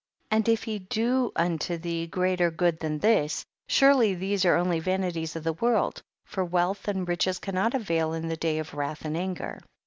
67. And if he do unto thee greater good than this, surely these are only vanities of the world, for wealth and riches cannot avail in the day of wrath and anger.